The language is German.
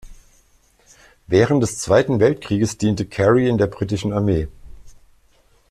Während des Zweiten Weltkriegs diente Carey in der Britischen Armee.